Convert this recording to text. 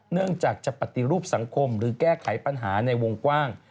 เนื่องจากจะปฏิรูปสังคมหรือแก้ไขปัญหาในวงกว้าง